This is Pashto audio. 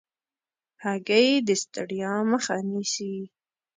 هګۍ د ستړیا مخه نیسي.